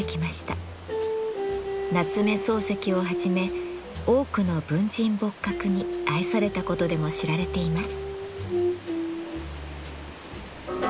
夏目漱石をはじめ多くの文人墨客に愛されたことでも知られています。